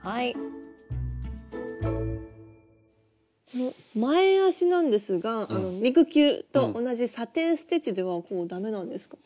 この前足なんですが肉球と同じサテン・ステッチではダメなんですか？